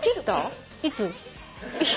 いつ？